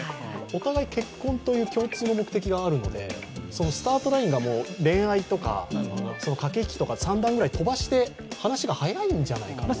お互い結婚という共通の目的があるので、スタートラインがもう恋愛とか、駆け引きとか３段ぐらい飛ばして話が早いんじゃないかな。